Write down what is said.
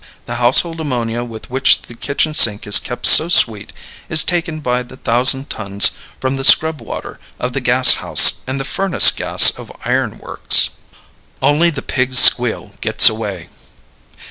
The household ammonia with which the kitchen sink is kept so sweet is taken by the thousand tons from the scrub water of the gas house and the furnace gas of iron works. Only the Pig's Squeal Gets Away.